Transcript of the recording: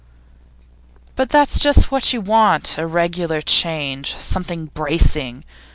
'But that's just what you want a regular change, something bracing.